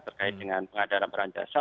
terkait dengan pengadalan perantahan jasa